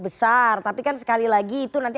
besar tapi kan sekali lagi itu nanti